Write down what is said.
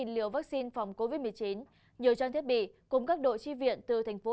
năm mươi tám liều vaccine phòng covid một mươi chín nhiều trang thiết bị cùng các đội tri viện từ tp hcm đã đến hỗ trợ